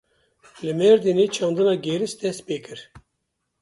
Li Mêrdînê çandina gêris dest pê kir.